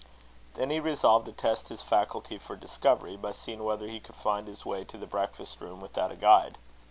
Then he resolved to test his faculty for discovery, by seeing whether he could find his way to the breakfast room without a guide.